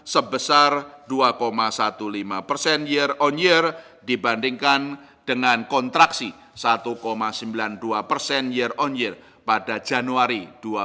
sebesar dua lima belas persen year on year dibandingkan dengan kontraksi satu sembilan puluh dua persen year on year pada januari dua ribu dua puluh